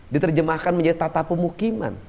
diterjemahkan menjadi tata pemukiman